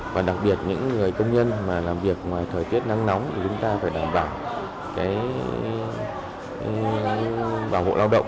và đặc biệt những người công nhân mà làm việc ngoài thời tiết nắng nóng thì chúng ta phải đảm bảo bảo hộ lao động